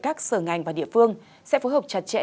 các sở ngành và địa phương sẽ phối hợp chặt chẽ